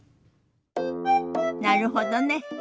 なるほどね。